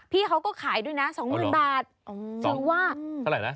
พี่เขาก็ขายด้วยนะสองหมื่นบาทอ๋อว่าเท่าไหร่นะ